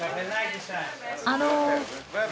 あの。